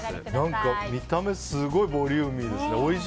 見た目すごいボリューミーですね。